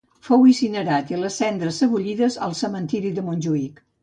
Fou incinerat i les cendres sebollides al Cementiri de Montjuïc.